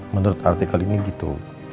menurut artikel ini gitu